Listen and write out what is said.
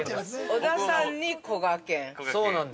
◆小田さんにこがけん？